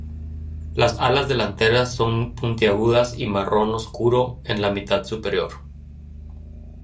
Las alas delanteras son puntiagudas y marrón oscuro en la mitad superior.